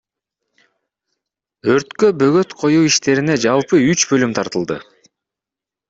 Өрткө бөгөт коюу иштерине жалпы үч бөлүм тартылды.